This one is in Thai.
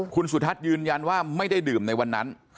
คุณสุทัศน์ยืนยันว่าไม่ได้ดื่มในวันนั้น